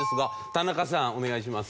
田中さんお願いします。